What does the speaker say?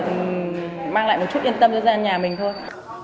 mình mang lại một chút yên tâm cho nhà mình thôi